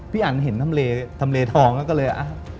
พี่อันเห็นทำเลทองแล้วก็เลย